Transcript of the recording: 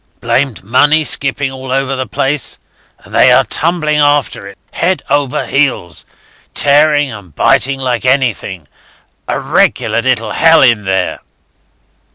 Blamed money skipping all over the place, and they are tumbling after it head over heels tearing and biting like anything. A regular little hell in there."